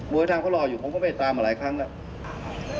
โดยทางเขารออยู่ผมก็ไปตามมาหลายครั้งแล้ว